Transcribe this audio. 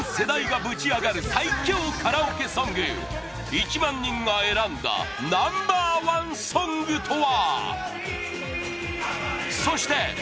１万人が選んだナンバーワンソングとは？